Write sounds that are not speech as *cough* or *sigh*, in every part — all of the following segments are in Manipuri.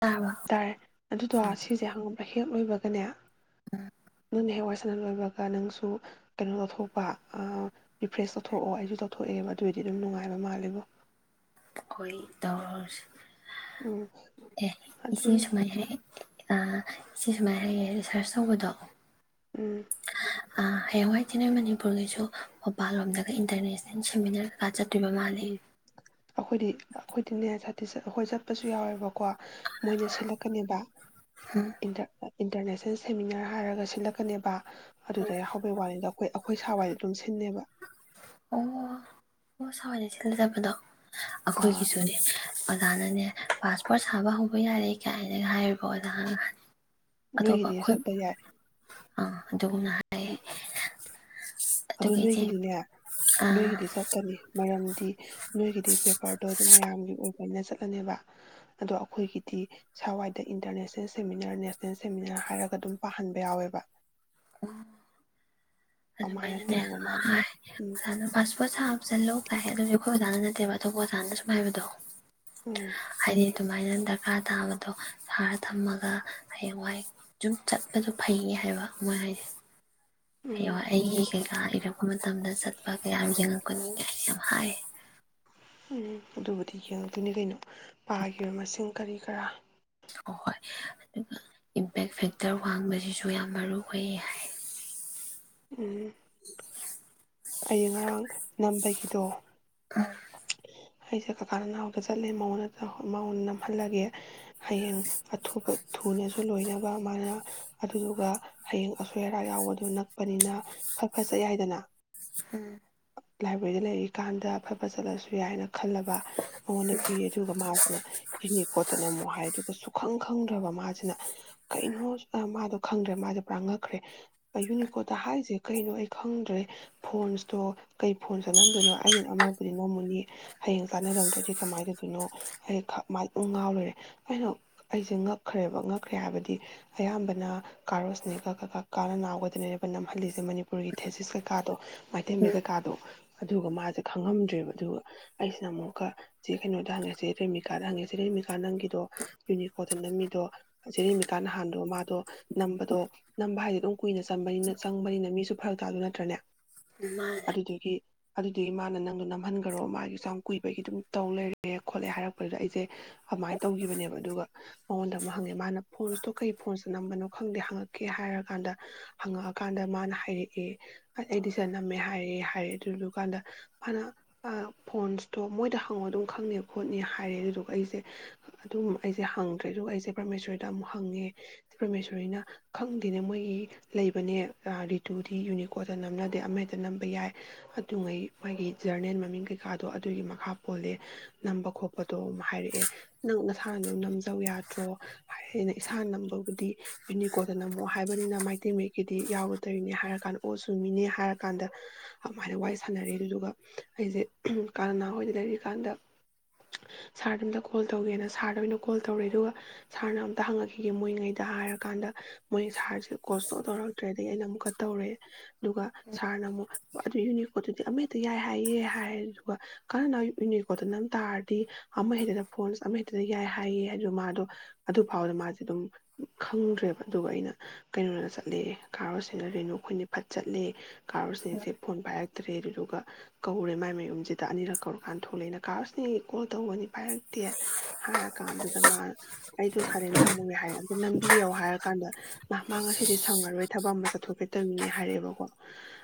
ꯇꯥꯔꯕ ꯇꯥꯔꯦ ꯑꯗꯨꯗꯣ ꯁꯤꯁꯦ ꯍꯪ ꯑꯍꯦꯛ ꯂꯣꯏꯕꯒꯅꯦ ꯅꯪꯗꯤ *unintelligible* ꯐꯅ ꯂꯣꯏꯕꯒ ꯅꯪꯁꯨ ꯀꯩꯅꯣ ꯇꯧꯊꯣꯛꯄ ꯑꯥ ꯔꯤꯐ꯭ꯔꯦꯁ ꯇꯧꯊꯣꯛꯑꯣ ꯑꯩꯁꯨ ꯇꯧꯊꯣꯛꯑꯦꯕ ꯑꯗꯨꯏꯗꯤ ꯑꯗꯨꯝ ꯅꯨꯡꯉꯥꯏꯕ ꯃꯥꯜꯂꯦꯕꯣꯏ꯫ ꯑꯩꯈꯣꯏ ꯇꯧꯔꯁꯤ ꯎꯝ ꯑꯦꯌꯥ ꯏꯆꯦ ꯑꯗꯨꯅꯦ ꯁꯨꯃꯩ ꯍꯥꯌꯔꯛꯏ ꯑ ꯁꯤ ꯁꯨꯃꯥꯏꯅ ꯍꯥꯏꯌꯦ ꯔꯤꯁꯥꯔꯁ ꯇꯧꯕꯗꯣ ꯎꯝ ꯑꯥ ꯍꯌꯦꯡꯋꯥꯏ ꯏꯆꯦ ꯅꯣꯏ ꯃꯅꯤꯄꯨꯔꯒꯤꯁꯨ ꯃꯄꯜ ꯂꯣꯝꯗꯒ ꯏꯟꯇꯔꯅꯦꯁꯅꯦꯜ ꯁꯦꯃꯤꯅꯥꯔ ꯀꯥ ꯆꯠ *unintelligible* ꯃꯥꯜꯂꯦ꯫ ꯎꯝ ꯑꯩꯈꯣꯏꯗꯤ ꯑꯩꯈꯣꯏꯗꯤꯅꯦ ꯁꯥꯇꯤ ꯑꯩꯈꯣꯏ ꯆꯠꯄꯁꯨ ꯌꯥꯎꯋꯦꯕꯀꯣ꯫ ꯃꯣꯏꯅ ꯁꯤꯜꯂꯛꯀꯅꯦꯕ *unintelligible* ꯏꯟꯇꯔꯅꯦꯁꯅꯦꯜ ꯁꯦꯃꯤꯅꯥꯔ ꯍꯥꯏꯔꯒ ꯁꯤꯜꯂꯛꯀꯅꯦꯕ ꯑꯗꯨꯗ ꯌꯥꯎꯍꯧꯕꯩ ꯋꯥꯅꯤꯗ ꯑꯩꯈꯣꯏ ꯑꯩꯈꯣꯏ ꯁꯥꯋꯥꯏꯗ ꯑꯗꯨꯝ ꯁꯤꯟꯅꯦꯕ꯫ ꯑꯣ ꯑꯣ ꯑꯣ ꯁꯋꯥꯥꯏꯗ ꯁꯤꯜꯖꯕꯗꯣ ꯑꯥ ꯑꯩꯈꯣꯏꯒꯤꯁꯨꯅꯦ ꯑꯥ ꯑꯣꯖꯥꯅꯅꯦ ꯄꯥꯁꯄꯣꯔꯠ ꯁꯥꯕ ꯍꯧꯕ ꯌꯥꯔꯦ ꯀꯥꯏꯅꯒ ꯍꯥꯏꯨꯔꯤꯕ ꯑꯣꯖꯥꯅ꯫ *unintelligible* ꯁꯠꯄ ꯌꯥꯏ ꯑ ꯑꯗꯨ ꯑꯗꯨ ꯑꯗꯨꯒ ꯏꯆꯦ ꯅꯣꯏꯒꯤꯗꯤꯅꯦ ꯑꯥ ꯅꯣꯏꯒꯤꯗꯤ ꯆꯠꯀꯅꯤ ꯃꯔꯝ ꯗꯤ ꯅꯣꯏꯒꯤꯗꯤ ꯄꯦꯄꯔꯗꯣ ꯑꯗꯨꯝ ꯃꯌꯥꯝꯒꯤ ꯑꯣꯏꯕꯅ ꯆꯠꯂꯅꯦꯕ ꯑꯗꯣ ꯑꯩꯈꯣꯏꯒꯤꯗꯤ ꯁꯋꯥꯏꯗ ꯏꯟꯇꯔꯅꯦꯁꯅꯦꯜ ꯁꯦꯃꯤꯅꯥꯔ ꯅꯦꯁꯅꯦꯜ ꯁꯦꯃꯤꯅꯥꯔ ꯍꯥꯏꯔꯒ ꯑꯗꯨꯝ ꯄꯥꯍꯟꯕ ꯌꯥꯎꯋꯦꯕ꯫ ꯎ ꯑꯗꯨꯃꯥꯏꯅ ꯑꯗꯨꯃꯥꯏꯅꯅꯦ ꯇꯧꯕ ꯃꯥꯜꯂꯦ ꯎꯝ *unintelligible* ꯆꯜꯂꯨ ꯀꯥꯏ ꯑꯗꯨꯁꯨ ꯑꯩꯈꯣꯏ ꯑꯣꯖꯥꯅ ꯅꯠꯇꯦꯕ ꯑꯇꯣꯞꯄ ꯑꯣꯖꯥꯅ ꯁꯨꯝ ꯍꯥꯏꯕꯗꯣ꯫ ꯎꯝ ꯍꯥꯏꯗꯤ ꯑꯗꯨꯃꯥꯏꯅ ꯗꯔꯀꯥꯔ ꯇꯥꯕꯗꯣ ꯁꯥꯔ ꯊꯝꯃꯒ ꯍꯌꯦꯡꯋꯥꯏ ꯁꯨꯝ ꯆꯠꯄꯗ ꯐꯩꯌꯦ ꯍꯥꯏꯕ꯫ *unintelligible* ꯍꯣ ꯎꯝ ꯑꯩꯒꯤ ꯀꯩꯀꯥ ꯏꯔꯛꯄ ꯃꯇꯝꯗ ꯆꯠꯄ ꯀꯌꯥꯝ *unintelligible* *unintelligible* ꯎꯝ ꯑꯗꯨꯕꯨꯗꯤ ꯌꯦꯡꯗꯣꯏꯅꯤ ꯀꯩꯅꯣ ꯄꯥꯈꯤꯕ ꯃꯁꯤꯡ ꯀꯔꯤ ꯀꯔꯥ꯫ ꯍꯣꯏ ꯑꯗꯨꯒ ꯏꯝꯄꯦꯛ ꯐꯦꯛꯇꯔ ꯋꯥꯡꯕꯁꯤꯁꯨ ꯌꯥꯝ ꯃꯔꯨ ꯑꯣꯏꯌꯦ ꯍꯥꯏ꯫ ꯎꯝ ꯑꯩ ꯉꯔꯥꯡ ꯅꯝꯕꯒꯤꯗꯣ ꯑ ꯑꯩꯁꯦ ꯀꯀꯥ ꯅꯅꯥꯎꯛꯇ ꯆꯠꯂꯦꯉꯣꯟ ꯃꯗ ꯅꯝꯍꯜꯂꯒꯦ ꯍꯌꯦꯡ ꯑꯊꯨꯕ ꯊꯨꯅꯁꯨ ꯂꯣꯏꯅꯕ ꯃꯥꯅ ꯑꯗꯨꯗꯨꯒ ꯍꯌꯦꯡ ꯑꯁꯣꯏ ꯑꯔꯥ ꯌꯥꯎꯕꯗꯨ ꯅꯛꯄꯅꯤꯅ ꯐꯠ ꯐꯠ ꯆꯠ ꯌꯥꯏꯏꯗꯅ꯫ ꯎꯝ ꯂꯥꯏꯕ꯭ꯔꯦꯔꯤꯗ ꯂꯩꯔꯤꯀꯥꯟꯗ ꯑꯐꯕ ꯆꯠꯂꯁꯨ ꯌꯥꯏꯅ ꯈꯜꯂꯕ ꯃꯉꯣꯟꯗ ꯄꯤ ꯑꯗꯨꯒ ꯃꯥꯁꯤꯅ ꯏꯤꯅꯤ ꯈꯣꯠꯇꯅ ꯑꯃꯨꯛ ꯍꯥꯏ ꯑꯗꯨꯒ ꯈꯪ ꯈꯪꯗ꯭ꯔꯕ ꯃꯥꯁꯤꯅ ꯀꯩꯅꯣ ꯃꯥꯗꯣ ꯈꯪꯗ꯭ꯔꯦ ꯃꯥꯁꯦ ꯄꯨꯔꯥꯡ ꯉꯛꯈ꯭ꯔꯦ ꯌꯨꯅꯤꯀꯣꯗ ꯍꯥꯏꯁꯦ ꯀꯩꯅꯣ ꯑꯩ ꯈꯪꯗ꯭ꯔꯦ ꯐꯣꯟ ꯑꯗꯣ ꯀꯩ ꯐꯣꯟ ꯆꯠꯅꯝꯗꯣꯏꯅꯣ ꯑꯩꯩꯅ ꯅꯝꯃꯕꯨꯗꯤ ꯅꯣꯡꯃꯨꯅꯤ ꯍꯌꯦꯡ ꯆꯥꯅꯔꯝꯗ꯭ꯔꯗꯤ ꯀꯃꯥꯏꯅ ꯇꯧꯗꯣꯏꯅꯣ ꯑꯩ ꯃ ꯑꯃ ꯉꯥꯎꯔꯨꯔꯦ ꯑꯩꯅ ꯑꯩꯁꯦ ꯉꯛꯈ꯭ꯔꯦꯕ ꯉꯛꯈ꯭ꯔꯦ ꯍꯥꯏꯕꯗꯤ ꯑꯌꯥꯝꯕꯅ ꯀꯥꯔꯣꯁꯅꯦꯒ ꯀꯀꯥ ꯀꯥꯅ ꯉꯥꯎꯒꯗꯅꯅꯦꯕ ꯅꯝꯍꯜꯂꯤꯁꯦ ꯃꯅꯤꯄꯨꯔꯒꯤ ꯊꯦꯖꯤꯁ ꯀꯩꯀꯥꯗꯣ ꯃꯩꯇꯩꯦꯝ ꯃꯦꯗꯀꯥꯗꯣ ꯑꯗꯨꯒ ꯃꯥꯁꯦ ꯈꯪꯉꯝꯗ꯭ꯔꯦꯕ ꯑꯗꯨꯒ ꯑꯩꯁꯤꯅ ꯑꯃꯨꯛꯀ ꯁꯤꯦ ꯀꯩꯅꯣꯗ ꯍꯪꯉꯦꯁꯦ ꯔꯦꯃꯤꯀꯥꯗ ꯍꯪꯉꯦꯁꯦ ꯔꯦꯃꯤꯀꯥ ꯅꯪꯒꯤꯗꯣ ꯌꯨꯅꯤꯀꯣꯠꯇ ꯅꯝꯃꯤꯗꯣ ꯁꯦ ꯔꯦꯃꯤꯀꯥ ꯅꯍꯥꯟꯗꯣ ꯃꯥꯗꯣ ꯅꯝꯕꯗꯣ ꯅꯝꯕ ꯍꯥꯏꯁꯦ ꯑꯗꯨꯝ ꯀꯨꯏꯅ ꯆꯝꯕꯅꯤꯅ ꯆꯪꯕꯅꯤꯅ ꯃꯤꯁꯨ ꯐꯔꯛ ꯇꯥꯗ ꯅꯠꯇ꯭ꯔꯅꯦ ꯃꯥꯅꯦ ꯑꯗꯨꯗꯤ ꯃꯥꯅ ꯅꯪꯗꯣ ꯅꯝꯍꯟꯈꯔꯣ ꯃꯥꯒꯤꯁꯨ ꯌꯥꯝ ꯀꯨꯏꯕꯒꯤ ꯑꯗꯨꯝ ꯇꯧ ꯂꯩꯔꯦ ꯈꯣꯠꯂꯦ ꯍꯥꯏꯔꯛꯄꯗꯨꯗ ꯑꯩꯁꯦ ꯑꯗꯨꯃꯥꯏꯅ ꯇꯧꯈꯤꯕꯅꯦꯕ ꯑꯗꯨꯒ ꯃꯉꯣꯟꯗ ꯑꯃꯨꯛ ꯍꯪꯉꯦ ꯃꯥꯅ ꯐꯣꯟꯁꯇꯣ ꯀꯩ ꯐꯣꯟꯁꯇ ꯅꯝꯕꯅꯣ ꯈꯪꯗꯦ ꯍꯪꯉꯛꯀꯦ ꯍꯥꯏꯔꯀꯥꯟꯗ ꯍꯪꯉꯛꯑꯀꯥꯟꯗ ꯃꯥꯅ ꯍꯥꯏꯔꯛꯑꯦ ꯑꯩꯗꯤ ꯁꯤꯗ ꯅꯝꯃꯦ ꯍꯥꯏꯔꯦ ꯍꯥꯏꯔꯦ ꯑꯗꯨꯗꯨ ꯀꯥꯟꯗ ꯐꯅ ꯐꯣꯟꯁꯇꯣ ꯃꯣꯏꯗ ꯍꯪꯉꯣ ꯑꯗꯨꯝ ꯈꯪꯅꯤ ꯈꯣꯠꯅꯦ ꯍꯥꯏꯔꯦ ꯑꯗꯨꯗꯨꯒ ꯑꯩꯁꯦ ꯑꯗꯨꯝ ꯑꯩꯁꯦ ꯍꯪꯗ꯭ꯔꯦ ꯑꯗꯨꯒ ꯑꯩꯁꯦ ꯄ꯭ꯔꯃꯦꯁꯣꯔꯤꯗ ꯑꯃꯨꯛ ꯍꯪꯉꯦ ꯄ꯭ꯔꯃꯦꯁꯣꯔꯤꯅ ꯈꯪꯗꯦꯅꯦ ꯃꯣꯏꯒꯤ ꯂꯩꯕꯅꯦ ꯔꯤꯇꯨꯗꯤ ꯌꯨꯅꯤꯀꯣꯠꯇ ꯅꯝꯅ ꯑꯃꯦꯛꯇ ꯅꯝꯕ ꯌꯥꯏ ꯑꯗꯨꯉꯩ ꯃꯥꯒꯤ ꯖꯔꯅꯦꯜ ꯃꯃꯤꯡ ꯀꯩꯀꯥꯗꯣ ꯑꯗꯨꯒꯤ ꯃꯈꯥ ꯄꯣꯜꯂꯦ ꯅꯝꯕ ꯈꯣꯠꯄꯗꯣ ꯍꯥꯏꯔꯛꯑꯦ ꯅꯪ ꯅꯁꯥꯅꯗꯣ ꯅꯝꯖꯧ ꯌꯥꯗ꯭ꯔꯣ ꯍꯥꯏꯅ ꯏꯁꯥꯅ ꯅꯝꯕꯕꯨꯗꯤ ꯌꯨꯅꯤꯀꯣꯗ ꯅꯝꯃꯑꯣ ꯍꯥꯏꯕꯅꯤꯅ ꯃꯩꯇꯩ ꯃꯌꯦꯛꯀꯤꯗꯤ ꯌꯥꯎꯔꯨꯗꯧꯔꯤꯅꯦ ꯍꯥꯏꯔ ꯀꯥꯟꯗ ꯑꯣ ꯁꯨꯝꯃꯤꯅꯦ ꯍꯥꯏꯔ ꯀꯥꯟꯗ ꯑꯗꯨꯃꯥꯏꯅ ꯋꯥꯔꯤ ꯁꯥꯟꯅꯔꯦ ꯑꯗꯨꯗꯨꯒ ꯑꯩꯁꯦ ꯀꯥꯂꯅꯥ ꯍꯣꯏꯗ ꯂꯩꯔꯤ ꯀꯥꯟꯗ ꯁꯥꯔꯗ ꯑꯝꯇ ꯀꯣꯜ ꯇꯧꯒꯦꯅ ꯁꯥꯔꯗ ꯑꯣꯏꯅ ꯀꯣꯜ ꯇꯧꯔꯦ ꯑꯗꯨꯒ ꯁꯥꯔꯅ ꯑꯝꯇ ꯍꯪꯉꯛꯈꯤꯒꯦ ꯃꯣꯏꯉꯩꯗ ꯍꯥꯏꯔꯀꯥꯟꯗ ꯃꯣꯏ ꯁꯥꯔ ꯀꯣꯁ ꯇꯧꯔꯛꯇ꯭ꯔꯦꯗꯒꯤ ꯑꯩꯅ ꯑꯃꯨꯛ ꯇꯧꯔꯦ ꯑꯗꯨꯒ ꯁꯥꯔꯅ ꯑꯃꯨꯛ ꯑꯗꯨ ꯌꯨꯅꯤꯀꯣꯠꯇꯨꯗꯤ ꯑꯃꯍꯦꯛꯇ ꯌꯥꯏ ꯍꯥꯏꯌꯦꯦ ꯍꯥꯏꯗꯨ ꯀ ꯌꯨꯅꯤꯀꯣꯠꯇ ꯅꯝ ꯇꯥꯔꯗꯤ ꯑꯃꯍꯦꯛꯇꯗ ꯐꯣꯟꯁ ꯑꯃꯍꯦꯛꯇꯗ ꯌꯥꯏ ꯍꯥꯏꯌꯦꯦ ꯍꯥꯏꯗ ꯃꯥꯗꯣ ꯑꯗꯨꯐꯥꯎꯗ ꯃꯥꯁꯦ ꯑꯗꯨꯝ ꯈꯪꯗ꯭ꯔꯦꯕ ꯑꯗꯨꯒ ꯑꯩꯅ ꯀꯩꯅꯣꯅ ꯆꯠꯂꯦ ꯀꯥꯔꯣꯁꯤꯅ ꯔꯦꯅꯨ ꯑꯩꯈꯣꯏꯅ ꯐꯠ ꯆꯠꯂꯦ ꯀꯥꯔ ꯁꯤꯁꯤꯦ ꯐꯣꯟ ꯄꯥꯏꯒꯦ ꯐꯛꯇ꯭ꯔꯦ ꯑꯗꯨꯗꯨꯒ ꯀꯧꯔꯦ ꯃꯥꯏ ꯃꯌꯨꯝꯁꯤꯗ ꯑꯅꯤꯔꯛ ꯀꯧꯔꯀꯥꯟꯗ ꯊꯣꯛꯂꯛꯑꯦꯅ ꯀꯥꯔꯁꯤꯅꯦ ꯀꯣꯜ ꯇꯧꯒꯅꯤ ꯄꯥꯏꯔꯛꯇꯦ ꯍꯥꯏꯔ ꯀꯥꯟꯗꯨꯗ ꯃꯥ ꯑꯩꯗꯣ ꯁꯥꯗꯦꯟ ꯊꯝꯃꯨꯔꯦ ꯍꯥꯏꯔꯦ ꯑꯗ ꯅꯝꯕꯤꯔꯣ ꯍꯥꯏꯔꯀꯥꯟꯗ ꯅꯍ ꯃꯥ ꯉꯁꯤꯗꯤ ꯁꯪꯉꯔꯣꯏ ꯊꯕꯛ ꯑꯃ ꯆꯠꯊꯣꯛꯀꯗꯃꯤꯅꯦ ꯍꯥꯏꯔꯛꯑꯦꯕꯀꯣ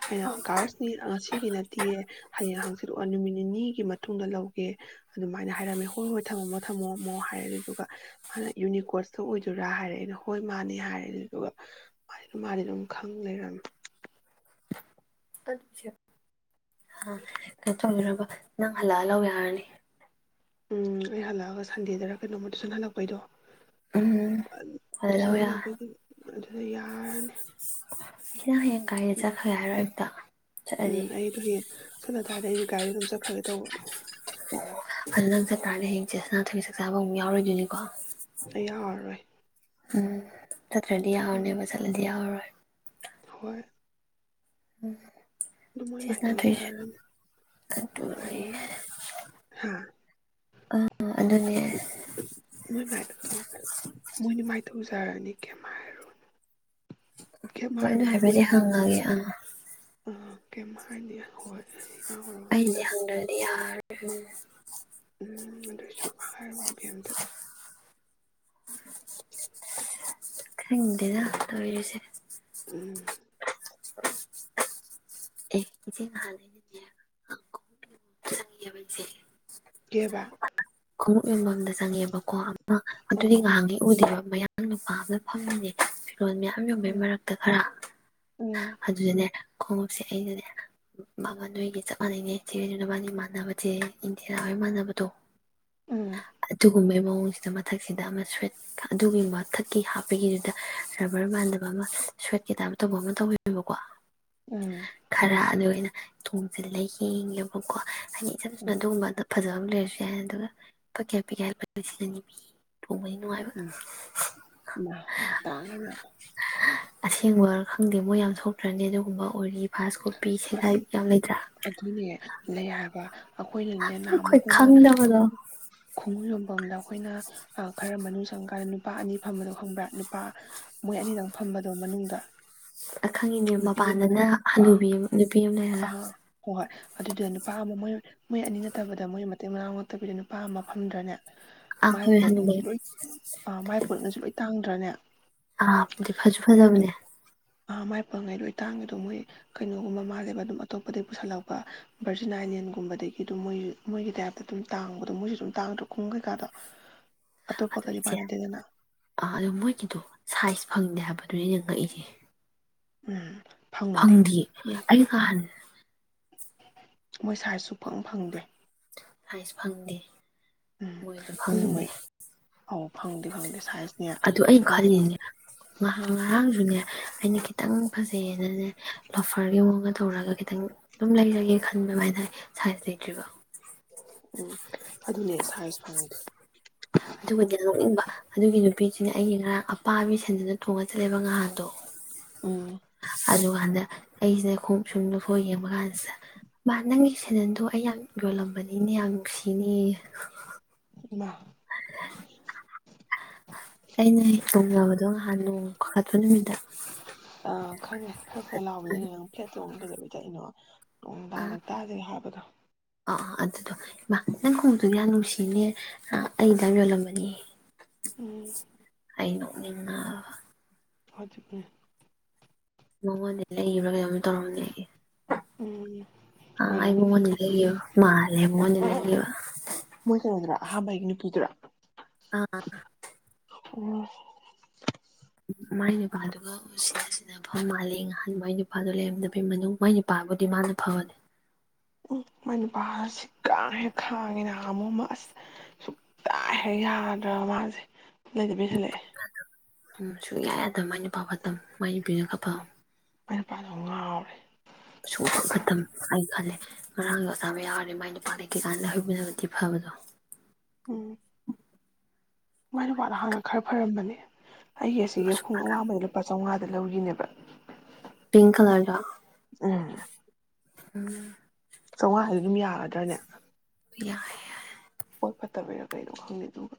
ꯑꯩꯅ ꯀꯔꯁꯅꯤ ꯉꯁꯤꯒꯤ ꯅꯠꯇꯦꯌꯦ ꯍꯌꯦꯡ ꯍꯪꯆꯤꯂꯣꯛ ꯅꯨꯃꯤꯠ ꯅꯤꯅꯤꯒꯤ ꯃꯇꯨꯡꯗ ꯂꯧꯒꯦ ꯑꯗꯨꯃꯥꯏꯅ ꯍꯥꯏꯔꯝꯃꯦ ꯍꯣꯏ ꯍꯣꯏ ꯊꯝꯃꯝꯃꯣ ꯊꯝꯃꯣꯝꯃꯣ ꯍꯥꯏꯔꯦ ꯑꯗꯨꯗꯨꯒ ꯃꯥꯅ ꯌꯨꯅꯤꯀꯣꯁꯇ ꯑꯣꯏꯗꯣꯏꯔꯥ ꯍꯥꯏꯔꯛꯦ ꯑꯩꯅ ꯍꯣꯏ ꯃꯥꯅꯦ ꯍꯥꯏꯔꯦ ꯑꯗꯨꯗꯨꯒ ꯃꯥ ꯃꯥꯗꯤ ꯑꯗꯨꯝ ꯈꯪ ꯂꯩꯔꯝꯃꯦ ꯀꯩꯅꯣ ꯇꯧꯗꯔꯕ ꯅꯪ ꯍꯜꯂꯛꯑꯜ ꯂꯥꯎ ꯌꯥꯔꯅꯤ ꯎꯝ ꯑꯩ ꯍꯜꯂꯛꯑꯒ ꯁꯟꯗꯦꯗꯔ ꯀꯩꯅꯣꯃ ꯇꯨꯁꯟ ꯍꯜꯂꯛꯄꯩꯗꯣ ꯎꯝ ꯇꯨ ꯍꯜꯂ ꯂꯧ ꯁꯅ ꯌꯥꯔꯅꯤ ꯂꯥꯛꯣꯏ ꯑꯗꯨꯗ ꯌꯥꯔꯅꯤ ꯁꯤꯅ ꯍꯥꯌꯦꯛ ꯀꯥꯏꯗ ꯆꯠꯈ꯭ꯔꯦ ꯍꯥꯏꯔꯣ ꯑꯌꯨꯛꯇ ꯎꯝ ꯆꯠꯂꯗꯤ ꯑꯩꯗꯣ ꯍꯌꯦꯡ ꯆꯠꯂ ꯇꯥꯔꯗꯤ ꯑꯩ ꯒꯥꯔꯤ ꯑꯗꯨꯝ ꯆꯠꯈ꯭ꯔꯒꯦ ꯇꯧꯕ꯫ ꯐꯖꯅ ꯅꯪ ꯆꯠꯇꯔꯗꯤ ꯍꯌꯦꯡ ꯆꯦꯁꯅꯥꯊꯣꯏꯕꯤ ꯆꯥꯛ ꯆꯥꯕ ꯑꯃ ꯌꯥꯎꯔꯣꯏꯗꯣꯏꯅꯤꯀꯣ꯫ ꯑꯩ ꯌꯥꯎꯔꯔꯣꯏ꯫ ꯎꯝ ꯆꯠꯇ꯭ꯔꯗꯤ ꯎꯝ ꯌꯥꯎꯔꯅꯦꯕ ꯆꯠꯂꯗꯤ ꯌꯥꯎꯔꯔꯣꯏ꯫ ꯍꯣꯏ꯫ ꯛ *inaudible* ꯃꯣꯏ ꯃꯥꯏ ꯇꯧꯖꯔꯅꯤ ꯑꯗꯨꯅꯦ *unintelligible* ꯍꯥ ꯑꯥ ꯑꯗꯨꯅꯦ ꯃꯣꯏ ꯃꯥꯏꯗ ꯇꯧ ꯃꯣꯏꯅꯤ ꯃꯥꯏ ꯇꯧꯖꯔꯅꯤ ꯀꯦꯝ ꯍꯩꯔꯨꯔꯅꯨ꯫ ꯍꯣꯏꯅ ꯍꯥꯏꯕꯗꯤ ꯍꯪꯉꯒꯦ ꯑꯥ ꯀꯝ ꯍꯥꯏꯅꯤ ꯍꯣꯏ ꯌꯥꯎꯔꯨꯔꯅꯨ ꯑꯩꯗꯤ ꯌꯥꯔꯦ ꯍꯪꯗꯔꯗꯤ ꯌꯥꯔ *inaudible* ꯎꯝ ꯑꯗꯨꯁꯨ ꯍꯥꯏꯔꯨ ꯀꯩꯝꯇ *inaudible* ꯈꯪꯗꯦꯗ ꯇꯧꯏꯔꯤꯁꯦ꯫ ꯎꯝ ꯑꯦ ꯏꯆꯦ ꯅꯍꯥꯟ *unintelligible* ꯏꯆꯦ ꯀꯦꯕꯥ ꯈꯣꯡꯎꯞ ꯌꯣꯟꯕꯝꯗ ꯆꯪꯉꯦꯕꯀꯣ ꯑꯃ ꯑꯗꯨꯗꯤ ꯑꯥ ꯉꯍꯥꯟꯒꯩ ꯎꯗꯦꯕ ꯃꯌꯥꯡ ꯅꯨꯄꯥ ꯑꯝꯅ ꯐꯝꯃꯤꯅꯦ *inaudible* ꯐꯤꯔꯣꯟ ꯃꯌꯥꯝ ꯌꯣꯟꯕꯩ ꯎꯝ ꯃꯔꯛꯇ ꯈꯔꯥ ꯎꯝ ꯑꯗꯨꯗꯅꯦ ꯈꯣꯡꯎꯞꯁꯦ ꯑꯩꯅꯅꯦ ꯃꯃꯟꯗꯣ ꯑꯩꯒꯤ ꯆꯞ ꯃꯥꯟꯅꯩꯅꯤ ꯆꯦꯖꯨ ꯅꯕꯥꯅꯤ ꯃꯥꯟꯅꯕ ꯆꯦ ꯏꯟꯗꯤꯔꯥ ꯍꯣꯏ ꯃꯥꯟꯅꯕꯗꯣ ꯎꯝ ꯑꯗꯨ ꯒꯨꯨꯝꯕꯩ ꯃꯑꯣꯡꯁꯤꯗ ꯃꯊꯛꯁꯤꯗ ꯑꯃ ꯁ꯭ꯋꯦꯠ ꯑꯗꯨꯒꯤ ꯃꯊꯛꯀꯤ ꯍꯥꯞꯄꯒꯤꯗꯨꯗ ꯔꯕꯔ ꯃꯥꯟꯗꯕ ꯑꯃ ꯁ꯭ꯋꯦꯠꯀꯤ ꯇꯥꯏꯞ ꯇꯧꯕ ꯑꯃ ꯇꯧꯋꯤꯕꯀꯣ ꯎꯝ ꯈꯔꯥ ꯑꯗꯣꯏ ꯑꯩꯅ ꯇꯣꯡꯖꯤꯟꯂ ꯌꯦꯡꯉꯦꯕꯀꯣ ꯍꯥꯏꯗꯤ ꯏꯆꯝ ꯎꯝ ꯆꯝꯅꯥ ꯑꯗꯨꯒꯨꯝꯕꯗ ꯐꯖꯕ ꯂꯩꯔꯁꯨ ꯌꯥꯏ ꯑꯗꯨꯒ ꯄꯀꯦ ꯄꯅꯤ ꯎꯝ ꯏꯃꯥ ꯌꯥꯝ ꯇꯥꯡꯉꯦꯅꯥ ꯑꯁꯦꯡꯕꯔꯥ ꯈꯪꯗꯦ ꯃꯣꯏ ꯌꯥꯝ ꯊꯣꯛꯇ꯭ꯔꯅꯦ ꯑꯗꯨꯒꯨꯝꯕ ꯑꯣꯔꯤ ꯐꯁ ꯀꯣꯄꯤ ꯁꯦꯒꯥꯏ ꯑꯁ ꯌꯥꯝꯂꯩꯗ꯭ꯔꯥ ꯄꯥ *unintelligible* ꯑꯩꯈꯣꯏꯅꯅꯦ ꯅꯍꯃꯨꯛ ꯑꯩꯈꯣꯏꯅ ꯈꯣꯡꯎ ꯌꯣꯟꯐꯝꯗ ꯑꯩꯈꯣꯏꯅ ꯑ ꯈꯔ ꯃꯅꯨꯡ ꯆꯪꯉꯀꯥꯟꯗ ꯅꯨꯄꯥ ꯑꯅꯤ ꯐꯝꯕꯗꯣ ꯈꯪꯕ꯭ꯔꯥ ꯅꯨꯄꯥ ꯃꯣꯏ ꯑꯅꯤꯗꯪ ꯐꯝꯕꯗꯣ ꯃꯅꯨꯡꯗ ꯑ ꯈꯪꯉꯤꯅꯦ ꯅꯨꯄꯤ ꯑꯃ ꯃꯄꯥꯟꯗꯅ ꯍꯅꯨꯕꯤ *unintelligible* ꯑ ꯍꯣꯏ ꯍꯣꯏ ꯑꯗꯨꯗꯨꯅ ꯅꯨꯄꯥ ꯑꯃ ꯃꯣꯏ ꯃꯣꯏ ꯑꯅꯤ ꯅꯠꯇꯕꯗ ꯃꯣꯏ ꯃꯇꯦꯛ ꯃꯅꯥꯎ ꯅꯛꯇꯕꯤꯗ ꯅꯨꯄꯥ ꯑꯃ ꯐꯝꯗ꯭ꯔꯅꯦ ꯃꯥꯏ ꯑꯩꯈꯣꯏ ꯍꯅꯨꯕ ꯄꯣꯠꯉꯩꯁꯤ ꯂꯣꯏ ꯑ ꯃꯥꯏ ꯄꯣꯠꯉꯩꯁꯤ ꯂꯣꯏ ꯇꯥꯡꯗ꯭ꯔꯅꯦ ꯑꯥ ꯗꯤ ꯐꯁꯨ ꯐꯖꯕꯅꯦ ꯑ ꯃꯥꯏ ꯄꯪꯉꯩ ꯂꯣꯏ ꯇꯥꯡꯉꯤꯗꯣ ꯃꯣꯏ ꯀꯩꯅꯣꯒꯨꯝꯕ ꯃꯥꯜꯂꯦ ꯑꯗꯨꯝ ꯑꯇꯣꯞꯄꯗꯒꯤ ꯄꯨꯁꯤꯜꯂꯛꯄ ꯚꯔꯖꯤꯟ ꯑꯏꯂꯦꯟꯒꯨꯝꯕꯗꯒꯤ ꯑꯗꯨꯝ ꯃꯣꯏ ꯃꯣꯏꯒꯤ ꯇꯥꯏꯞꯇ ꯑꯗꯨꯝ ꯇꯥꯡꯕꯗꯣ ꯃꯣꯏꯁꯨ ꯑꯗꯨꯝ ꯇꯥꯡꯗ꯭ꯔ ꯈꯣꯡ ꯀꯩꯀꯥꯗꯣ ꯑꯗꯣ ꯑꯇꯣꯞꯄꯒꯗꯤ ꯏꯆꯦ ꯃꯥꯟꯅꯗꯦꯗꯅ ꯑ ꯑ ꯃꯣꯏꯒꯤꯗꯣ ꯁꯥꯏꯖ ꯐꯪꯗꯦ ꯍꯥꯏꯕ ꯗꯨꯅꯤ ꯑꯩꯅ ꯉꯛꯏꯖꯦ ꯎꯝ ꯐꯪꯗꯦ ꯃꯣꯏ ꯑꯩ ꯉꯍꯥꯟ ꯃꯣꯏ ꯁꯥꯏꯖ ꯁꯨꯐꯪ ꯐꯪꯗꯦ ꯍꯏꯁ ꯐꯪꯗꯦ ꯎꯝ ꯃꯣꯏꯗꯨ ꯑꯗꯨꯗꯤ ꯐꯪꯗꯦ ꯃꯣꯏ ꯑꯧ ꯐꯪꯗꯦ ꯐꯪꯗꯦ ꯁꯥꯏꯁ ꯑꯗꯨ ꯑꯩꯩꯅ ꯈꯜꯂꯤꯅꯦ ꯉꯍꯥꯡ ꯉꯍꯥꯡꯁꯨꯅꯦ ꯑꯩꯅ ꯈꯤꯇꯪ ꯐꯖꯩꯌꯦꯅꯅꯦ ꯂꯣꯐꯔꯒꯤ ꯃꯑꯣꯡꯒ ꯇꯧꯔꯒ ꯈꯤꯇꯪ ꯑꯗꯨꯝ ꯂꯩꯖꯒꯦ ꯈꯟꯕ ꯑꯗꯨꯒ ꯁꯥꯏꯖ ꯂꯩꯇ꯭ꯔꯤꯕ ꯎꯝ ꯑꯗꯨꯅꯦ ꯁꯥꯏꯖ ꯐꯪꯗꯦ ꯑꯗꯨꯒꯗꯤ ꯅꯣꯛꯅꯤꯡꯕ ꯑꯗꯨꯒꯤ ꯅꯨꯄꯤꯁꯤꯅ ꯑꯩꯒꯤ ꯉꯔꯥꯡ ꯑꯄꯥꯕꯤ ꯁꯦꯟꯗꯨꯅ ꯇꯣꯡꯉꯥ ꯆꯠꯂꯦꯕ ꯉꯥꯏꯍꯥꯟꯗꯣ ꯎꯝ ꯑꯗꯨꯒ ꯍꯟꯗꯛ ꯑꯩꯁꯤ ꯈꯣꯎꯞ ꯁꯨꯝ ꯂꯧꯊꯣꯛꯑ ꯌꯦꯡꯕ ꯀꯥꯟꯁꯤꯗ ꯃꯥ ꯅꯪꯒꯤ ꯁꯦꯗꯟꯗꯣ ꯑꯩ ꯌꯥꯝ ꯌꯣꯜꯂꯝꯕꯅꯤ ꯌꯥꯝ ꯅꯨꯡꯁꯤꯅꯦ ꯏꯃꯥ ꯑꯩꯅ ꯇꯣꯡꯖꯕꯗꯣ ꯉꯍꯥꯟꯗꯣ ꯈꯥꯇꯣꯟꯕꯤꯗ ꯑꯥ ꯈꯪꯉꯦ ꯐ꯭ꯔ ꯐ꯭ꯔ ꯂꯥꯎꯋꯤ ꯑꯩꯅ ꯅꯪ ꯐ꯭ꯂꯦꯠ ꯇꯣꯡꯉꯤ ꯑꯗꯨꯒ *unintelligible* ꯇꯛꯏꯅꯣ ꯅꯣꯡꯗꯥ ꯂꯛꯇꯥꯁꯤꯒ ꯍꯥꯏ ꯍꯄꯗꯣ ꯑꯥ ꯑꯥ ꯑꯗꯨꯗꯣ ꯏꯃꯥ ꯅꯪ ꯈꯣꯡꯎꯞꯇꯨꯕꯨ ꯌꯥꯝ ꯅꯨꯡꯁꯤꯅꯦ ꯑꯥ ꯑꯩꯗꯡ ꯌꯣꯜꯂꯝꯕꯅꯦꯌꯦ꯫ ꯎꯨꯝ ꯑꯩ ꯅꯣꯛꯅꯤꯡꯉꯥꯕ ꯐꯗꯨꯒꯤ ꯃꯉꯣꯟꯗꯩ ꯂꯩꯕ꯭ꯔꯥ ꯀꯩꯅꯣꯝ ꯇꯧꯔꯝꯅꯦ ꯑꯩ ꯎꯝ ꯑ-ꯑꯩ ꯑꯣꯏꯔꯝꯅꯤ ꯃꯉꯣꯟꯗꯒꯤ ꯂꯕ ꯃꯥꯂꯦ ꯃꯥꯉꯣꯟꯗꯩ ꯂꯩꯕ ꯑꯍꯥꯥꯟꯕꯒꯤ ꯅꯨꯄꯤꯗꯨꯔꯥ ꯑꯥ-ꯑꯥ-ꯑ ꯑꯣꯍ *unintelligible* ꯃꯥꯏ ꯅꯨꯄꯥꯗꯨꯒ ꯁꯤꯅ-ꯁꯤꯅ ꯐꯝꯕ ꯃꯥꯜꯂꯤ ꯉꯍꯥꯟ ꯃꯥꯏ ꯅꯨꯄꯥꯗꯨꯣ ꯂꯩꯔꯝꯗꯕꯩ ꯃꯅꯨꯡ ꯃꯥꯏ ꯅꯨꯄꯥꯕꯨꯗꯤ ꯃꯥꯅ ꯐꯕꯅꯤ ꯎꯝ ꯃꯥꯏ ꯅꯨꯄꯥ ꯁꯤꯈꯥꯡꯍꯦꯛ ꯈꯥꯡꯉꯤꯅ ꯑꯃ-ꯑꯃꯣ ꯑꯁ ꯁꯨꯛꯌꯥ ꯍꯦꯛ ꯌꯥꯗ꯭ꯔꯒ ꯃꯥꯁꯦ ꯂꯩꯗꯕꯤ ꯍꯟꯂꯛꯑꯦ ꯎꯝ ꯁꯨꯛꯌꯥ ꯌꯥꯗꯕ ꯃꯥꯏ ꯅꯨꯄꯥ ꯐꯠꯇꯝ ꯃꯥꯏ ꯅꯨꯄꯤꯅ ꯈ ꯐꯝ ꯃꯥꯏ ꯅꯨꯄꯥꯗꯣ ꯉꯥꯎꯔꯦ ꯑꯁꯣꯛꯄ ꯃꯇꯝ ꯑꯩꯅ ꯈꯜꯂꯦ ꯉꯔꯥꯡꯒꯤ ꯑꯆꯥꯕ ꯌꯥꯎꯔꯗꯤ ꯃꯥꯏ ꯅꯨꯄꯥ ꯂꯩꯇ꯭ꯔꯤꯀꯥꯟ ꯃꯥꯏ ꯅꯨꯄꯤꯅ ꯊꯤ ꯐꯕꯗꯣ ꯎꯝ ꯃꯥꯏ ꯅꯨꯄꯥꯗꯣ ꯍꯥꯟꯅ ꯈꯔ ꯐꯔꯝꯕꯅꯦ ꯑꯩꯒꯤ ꯑꯁꯤꯒꯤ ꯈꯣꯡꯎꯞꯡ ꯑꯋꯥꯕꯗꯣ ꯂꯨꯄꯥ ꯆꯥꯝꯃꯉꯥ ꯂꯧꯔꯤꯅꯦꯕ ꯄꯤꯡꯛ ꯀꯂꯔꯗꯣ ꯎꯨꯝ ꯎꯨꯝ ꯆꯥꯝꯃꯉꯥꯗꯨ ꯑꯗꯨꯝ ꯌꯥꯕ ꯌꯥꯗ꯭ꯔꯅꯦ ꯌꯥꯏ-ꯌꯥꯏ ꯃꯕꯨꯛ ꯐꯠꯇꯕꯔꯥ ꯀꯩꯅꯣ ꯈꯪꯗꯦ ꯑꯗꯨꯒ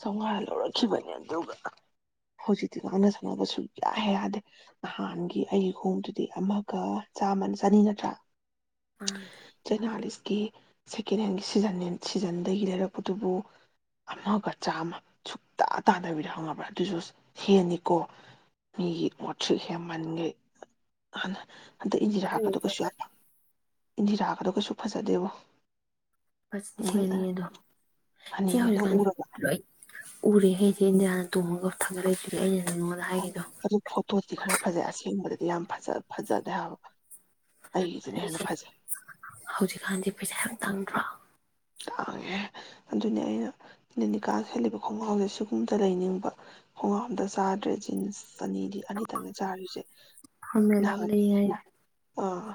ꯆꯥꯝꯃꯉꯥ ꯂꯧꯔꯛꯈꯤꯕꯅꯦ ꯑꯗꯨꯒ ꯍꯧꯖꯤꯛꯇꯤ ꯉꯥꯡꯅ ꯁꯪꯅꯕ ꯁꯨꯛꯌꯥ ꯌꯥꯗꯦ ꯅꯍꯥꯟꯒꯤ ꯑꯩꯒꯤ ꯈꯣꯡꯗꯨꯗꯤ ꯑꯃꯒ ꯆꯥꯃ ꯆꯥꯅꯤ ꯅꯈ꯭ꯔ ꯆꯅꯤꯒꯠꯇ꯭ꯔꯥ ꯆꯅꯤꯃꯥꯂ *unintelligible* ꯀꯤ ꯁꯦꯀꯦꯟ ꯍꯦꯟꯒꯤ ꯁꯤꯖꯟꯅꯦ ꯁꯤꯖꯟ ꯑꯗꯒꯤ ꯂꯩꯔꯛꯄꯗꯨꯕꯨ ꯑꯃꯒ ꯆꯥꯝꯃ ꯁꯨꯛꯇ ꯇꯥꯗꯕꯤꯗ ꯍꯪꯉꯕ꯭ꯔꯥ ꯑꯗꯨꯁꯨ ꯍꯦꯟꯅꯤꯀꯣ ꯃꯤꯒꯤ ꯃꯣꯠꯊ꯭ꯔꯤꯁꯤ ꯍꯦꯟꯃꯟꯈꯦꯅ ꯑꯗꯩ ꯏꯟꯖꯤꯔ ꯍꯥꯞꯀꯗꯨ ꯀꯩꯁꯨ ꯌꯥꯝꯄ ꯏꯟꯙꯤꯔꯥꯒꯗꯣ ꯀꯩꯁꯨ ꯐꯖꯗꯦꯕꯣ ꯄꯁ ꯂꯤꯁꯤꯡ ꯃꯣꯏ ꯑꯅꯤꯗꯣ ꯁꯦ ꯑꯅꯤꯅꯦ ꯅꯪ ꯍꯧꯀꯥꯟ ꯎꯔꯕ ꯂꯣꯏ ꯎꯔꯦ ꯍꯦ ꯆꯦ ꯏꯟꯗꯤꯌꯅ ꯇꯣꯡꯉꯒ ꯍꯞꯊꯒꯠ ꯂꯛꯏꯗꯨꯗꯤ ꯑꯩꯅ ꯅꯉꯣꯟꯗ ꯑꯗꯨ ꯍꯥꯏꯒꯤꯗꯣ ꯑꯗꯨ ꯐꯇꯣ ꯑꯗꯤ ꯈꯔ ꯐꯖꯩ ꯑꯁꯦꯡꯕꯗꯗꯤ ꯌꯥꯝ ꯐꯖ ꯐꯖꯗꯦ ꯍꯥꯏꯕ ꯑꯩꯒꯤꯁꯤꯅ ꯍꯦꯟꯅ ꯑꯗꯨꯁ ꯐꯖꯩ ꯍꯧꯖꯤꯛꯀꯥꯟꯗꯤ ꯄꯩꯁꯥ ꯌꯥꯝꯇꯪ꯫꯫ *unintelligible* ꯇꯥꯡꯉꯦ ꯑꯗꯨꯅꯦ ꯑꯩꯅ ꯂꯦꯅꯤꯀꯥ ꯁꯦꯠꯂꯤꯕ ꯈꯣꯡꯒ꯭ꯔꯥꯎꯁꯦ ꯁꯤꯒꯨꯝꯗ ꯂꯩꯅꯤꯡꯕ ꯈꯣꯡꯒ꯭ꯔꯥꯎꯗ ꯆꯥꯗ꯭ꯔꯦ ꯖꯤꯟꯁ ꯑꯅꯤꯗꯤ ꯑꯅꯤꯊꯪꯅ ꯆꯥꯔꯤꯁꯦ ꯐꯣꯔꯃꯦꯜ ꯅꯪ ꯑꯃ ꯑꯥ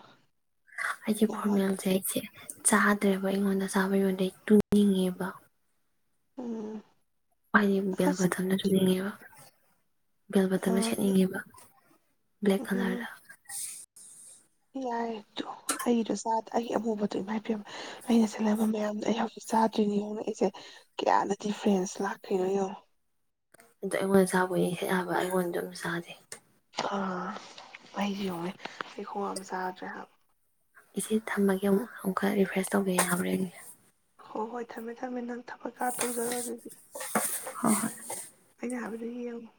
ꯑꯩꯒꯤ ꯐꯣꯔꯃꯦꯜꯁꯦ ꯁꯦꯠꯂꯦ ꯆꯥꯗ꯭ꯔꯦꯕ ꯑꯩꯉꯣꯟꯗ ꯆꯥꯕ ꯌꯉꯣꯟꯗꯩ ꯇꯨꯡꯅꯤꯡꯉꯦꯕ ꯎꯝ ꯑꯩꯕ ꯑꯁ ꯊꯝꯅꯁꯨꯕ ꯕꯦꯜ ꯕꯇꯟꯗ ꯑꯥ ꯁꯦꯠꯅꯤꯡꯉꯦꯕ ꯕ꯭ꯂꯦꯛ ꯀꯂꯔꯗ ꯌꯥꯏꯗꯣ ꯑꯩꯗꯣ ꯆꯥꯗ ꯑꯩꯒꯤ ꯑꯃꯨꯕꯗꯣ ꯏꯃꯥꯏ ꯄꯕ ꯑꯩꯅ ꯁꯤꯜꯂꯝꯕ ꯃꯌꯥꯝꯗꯣ ꯑꯩ ꯍꯧꯖꯤꯛ ꯆꯥꯗ꯭ꯔꯤꯅꯤ ꯌꯦꯡꯑꯣ ꯑꯩꯁꯦ ꯀꯌꯥꯅ ꯗꯤꯐ꯭ꯔꯦꯟꯁ ꯂꯥꯛꯈꯣꯏꯅꯣ ꯌꯦꯡꯉꯣ ꯑꯗꯣ ꯑꯩꯉꯣꯟꯗ ꯆꯥꯕ ꯑꯣꯏꯗꯤ ꯍꯦꯛ ꯌꯥꯕ ꯑꯗꯣ ꯑꯩꯉꯣꯟꯗ ꯑꯝ ꯆꯥꯗꯦ ꯑꯥ ꯑꯩ ꯌꯦꯡꯉꯣꯅꯦ ꯑꯩꯈꯣꯡꯝ ꯆꯥꯗ꯭ꯔꯦ ꯍꯥꯏꯕ ꯏꯆꯦ ꯊꯝꯃꯒꯦ ꯑꯃꯨꯛ ꯑꯃꯨꯛꯀ ꯔꯤꯐ꯭ꯔꯦꯁ ꯇꯧꯒꯦ ꯌꯥꯕꯔꯥ ꯌꯦꯡꯒꯦ꯫ ꯍꯣ ꯍꯣꯏ ꯊꯝꯃꯦ ꯊꯝꯃꯦ ꯅꯪ ꯊꯕꯛꯀꯥ ꯇꯧꯖꯔꯣ ꯑꯗꯨꯗꯤ ꯑꯩꯅ ꯍꯥꯏꯕꯗꯨ ꯌꯦꯡꯉꯣ